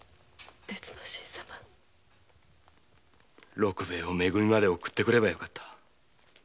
六兵衛を「め組」まで送ってくればよかった。